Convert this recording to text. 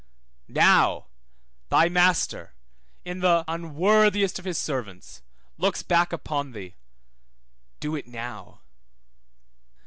Now, thy Master (in the unworthiest of his servants) looks back upon thee, do it now.